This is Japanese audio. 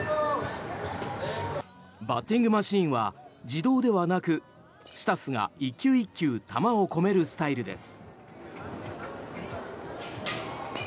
バッティングマシンは自動ではなくスタッフが１球１球球を込めるスタイルです。